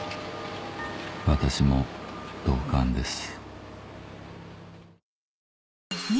私も同感です